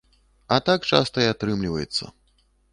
А так часта і атрымліваецца.